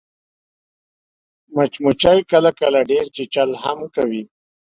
مچمچۍ کله کله ډېر چیچل هم کوي